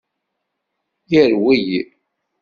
Yerwel.